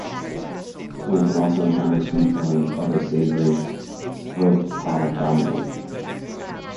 One can also encounter sweet fillings, although savory "pirukad" predominate.